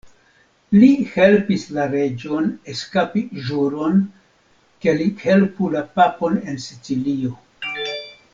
Li helpis la reĝon eskapi ĵuron ke li helpu la papon en Sicilio.